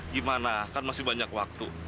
gimana kan masih banyak waktu